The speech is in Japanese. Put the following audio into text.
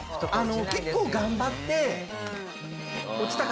結構頑張って落ちたかなあと。